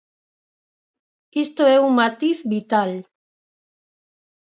Isto é un matiz vital.